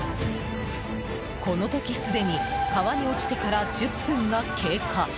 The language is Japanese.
この時すでに川に落ちてから１０分が経過。